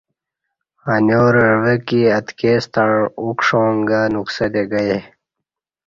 انیار عوہ کی اتکے ستݩع ا ع کݜاں گہ نکسہ تے گیے